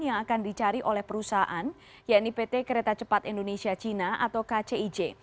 yang akan dicari oleh perusahaan yaitu pt kereta cepat indonesia cina atau kcij